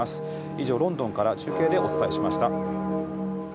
以上、ロンドンから中継でお伝えしました。